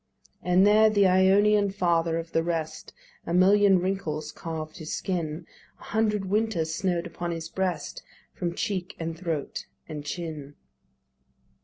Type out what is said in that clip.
And there the Ionian father of the rest; A million wrinkles carved his skin; A hundred winters snow'd upon his breast, From cheek and throat and chin.